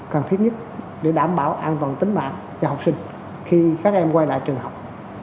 cần thiết nhất để đảm bảo an toàn tính mạng cho học sinh khi các em quay lại trường học